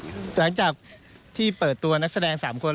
หลังจากที่เปิดตัวนักแสดง๓คน